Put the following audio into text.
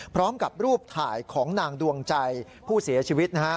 พร้อมกับรูปถ่ายของนางดวงใจผู้เสียชีวิตนะฮะ